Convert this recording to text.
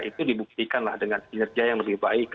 itu dibuktikan dengan pengerja yang lebih baik